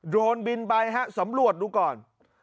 โดนบินไปฮะสำรวจดูก่อน